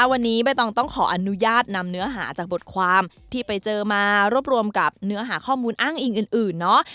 วันนี้ใบตองต้องขออนุญาตนำเนื้อหาจากบทความที่ไปเจอมารวบรวมกับเนื้อหาข้อมูลอ้างอิงอื่นเนาะ